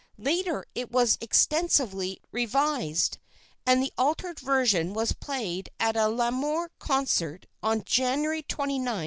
Later it was extensively revised, and the altered version was played at a Lamoureux concert on January 29, 1888.